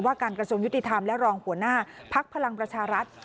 การกระทรวงยุติธรรมและรองหัวหน้าภักดิ์พลังประชารัฐ